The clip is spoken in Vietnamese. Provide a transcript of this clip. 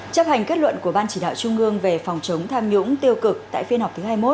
chấp hành kết luận của ban chỉ đạo trung ương về phòng chống tham nhũng tiêu cực tại phiên họp thứ hai mươi một